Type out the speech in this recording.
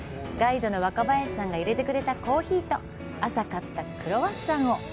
ガイドの若林さんがいれてくれたコーヒーと、朝買ったクロワッサンを。